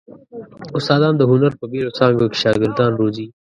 استادان د هنر په بېلو څانګو کې شاګردان روزي.